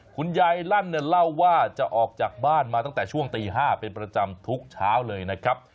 คุณยายลั่นเนี่ยเล่าว่าจะออกจากบ้านมาตั้งแต่ช่วงตี๕เป็นประจำทุกเช้าเลยนะครับ